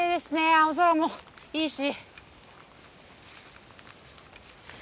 青空もいいし。